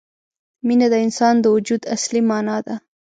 مینه د انسان د وجود اصلي معنا ده.